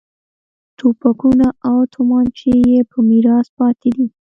توپکونه او تومانچې یې په میراث پاتې دي.